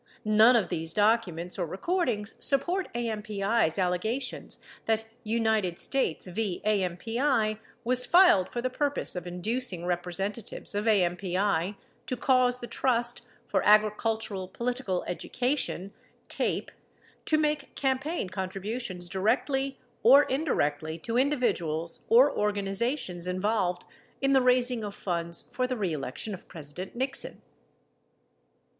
None of these documents or recordings support AMPI's allegations that United States v. AMPI was filed for the purpose of inducing representatives of AMPI to cause the Trust for Agricultural Political Education (TAPE) to make campaign contributions directly or indirectly to individuals or organizations in volved in the raising of funds for the reeleetion of President Nixon.